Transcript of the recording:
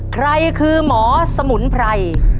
ใครคือหมอสมุนไพร